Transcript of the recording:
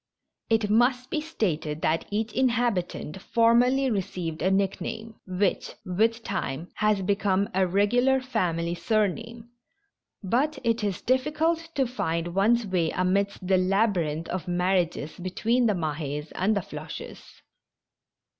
It must be stated that each inhabitant formerly received a nickname, which, with time, has become a regular family surname, but it is dif ficult to find one's way amidst the labyrinth of mar riages between the Mahes and the Floches.